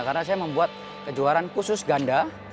karena saya membuat kejuaraan khusus ganda